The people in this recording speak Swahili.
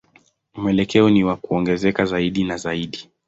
Mwelekeo ni wa kuongezeka zaidi na zaidi.